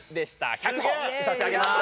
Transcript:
１００ほぉ差し上げます。